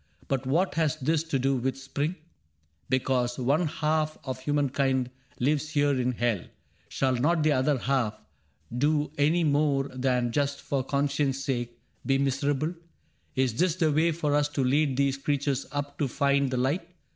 — But what has this to do With Spring ? Because one half of humankind Lives here in hell, shall not the other half Do any more than just for conscience' sake Be miserable ? Is this the way for us To lead these creatures up to find the light.